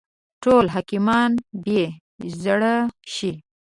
ټول حاکمان بې زړه شي.